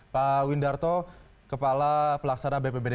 pak windarto kepala pelaksana bpbd